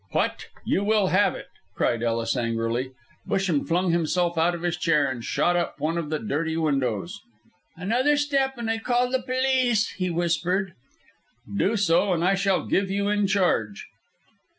"What! You will have it!" cried Ellis, angrily. Busham flung himself out of his chair, and shot up one of the dirty windows. "Another step and I call the police," he whispered. "Do so, and I shall give you in charge."